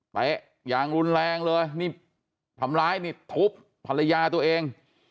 อย่างรุนแรงเลยนี่ทำร้ายนี่ทุบภรรยาตัวเอง